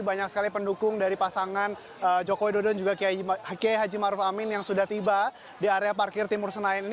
banyak sekali pendukung dari pasangan jokowi dodon juga kiai haji maruf amin yang sudah tiba di area parkir timur senayan ini